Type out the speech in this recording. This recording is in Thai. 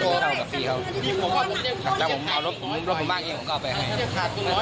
ถ้าผมเอารถผมบ้างเองก็เอาไปให้